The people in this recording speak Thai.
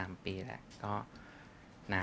ได้มีใจงับว่า